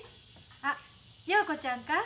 あ陽子ちゃんか？